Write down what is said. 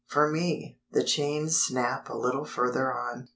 For me, the chains snap a little further on.